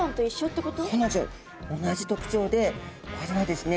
同じ特徴でこれはですね